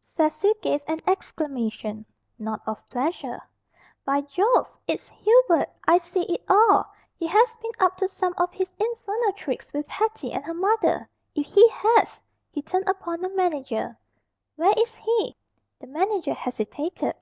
Cecil gave an exclamation not of pleasure. "By Jove! It's Hubert! I see it all! He has been up to some of his infernal tricks with Hetty and her mother! If he has!" He turned upon the manager, "Where is he?" The manager hesitated.